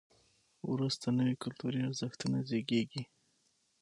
وروسته نوي کلتوري ارزښتونه زیږېږي.